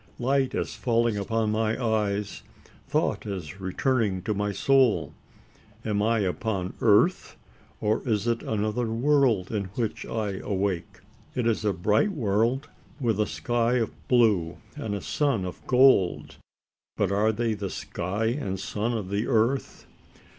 Light is falling upon my eyes thought is returning to my soul! Am I upon earth? or is it another world in which I awake? It is a bright world with a sky of blue, and a sun of gold; but are they the sky and sun of the earth?